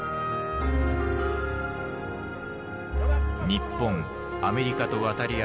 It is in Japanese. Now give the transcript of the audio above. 日本アメリカと渡り合い